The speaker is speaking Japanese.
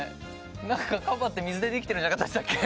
なんかカバって水でできてるんじゃなかったでしたっけ？